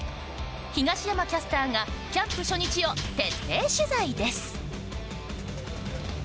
東山キャスターがキャンプ初日を徹底取材です。